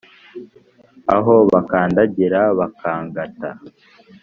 aho bakandagira bakangata